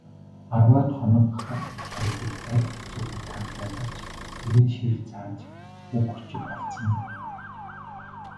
Арваад хоног хар гэрт хоригдож, аль хэцүүгээр тамлуулавч эрийн шийр зааж үг өчиг алдсангүй.